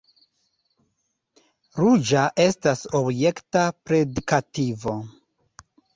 Ruĝa estas objekta predikativo.